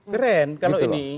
keren kalau ini